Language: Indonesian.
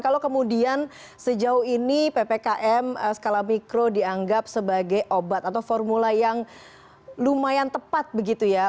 kalau kemudian sejauh ini ppkm skala mikro dianggap sebagai obat atau formula yang lumayan tepat begitu ya